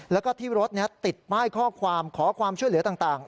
แล้วก็ที่รถติดป้ายข้อความขอความช่วยเหลือต่าง